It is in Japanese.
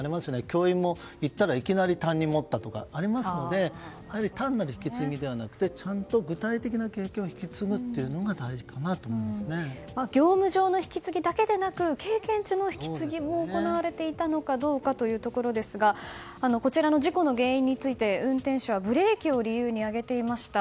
教員も行ったらいきなり担任持ったとかありますのでやはり単なる引き継ぎじゃなくて具体的な経験を引き継ぐのが業務上の引き継ぎだけじゃなく経験値の引き継ぎも行われていたのかどうかということですがこちらの事故の原因について運転手はブレーキを理由に挙げていました。